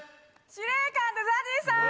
司令官でＺＡＺＹさん。